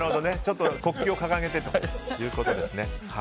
国旗を掲げてということですね。